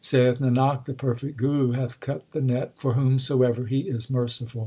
1 Saith Nanak, the perfect Guru hath cut the net For whomsoever he is merciful.